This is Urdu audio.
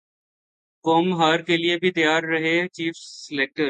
قوم ہار کیلئے بھی تیار رہے چیف سلیکٹر